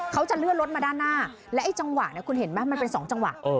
เขาจะเลื่อนรถมาด้านหน้าและไอ้จังหวะเนี่ยคุณเห็นไหมมันเป็นสองจังหวะ